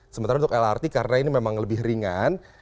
sementara untuk lrt karena ini memang lebih ringan